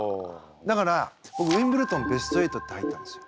だからぼくウィンブルドンベスト８って入ったんですよ。